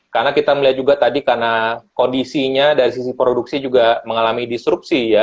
karena kita melihat juga tadi karena kondisinya dari sisi produksi juga mengalami disrupsi ya